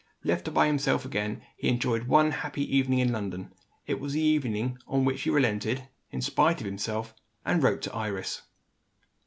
Left by himself again, he enjoyed one happy evening in London. It was the evening on which he relented, in spite of himself, and wrote to Iris.